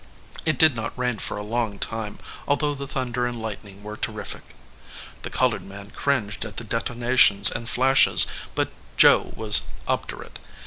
It did not rain for a long time, although the thunder and lightning were terrific. The col ored man cringed at the detonations and flashes, but Joe was obdurate.